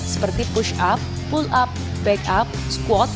seperti push up pull up back up squat